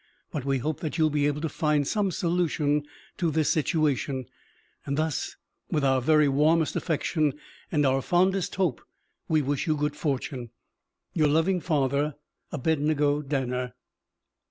But we hope that you will be able to find some solution to this situation. Thus, with our very warmest affection and our fondest hope, we wish you good fortune. Your loving father, ABEDNEGO DANNER.